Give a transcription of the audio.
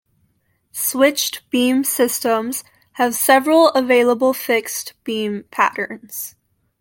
Switched beam systems have several available fixed beam patterns.